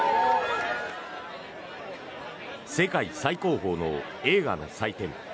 世界最高峰の映画の祭典